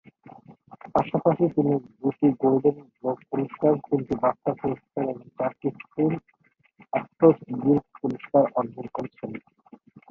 পাশাপাশি তিনি দুটি গোল্ডেন গ্লোব পুরস্কার, তিনটি বাফটা পুরস্কার, এবং চারটি স্ক্রিন অ্যাক্টরস গিল্ড পুরস্কার অর্জন করেছেন।